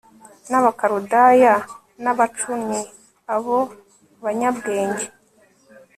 n Abakaludaya n abacunnyi Abo banyabwenge